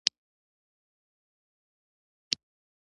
د ژبي کارونه باید معیاري سی.